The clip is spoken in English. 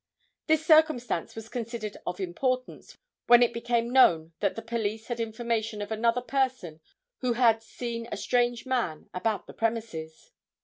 This circumstance was considered of importance, when it became known that the police had information of another person who had seen a strange man about the premises.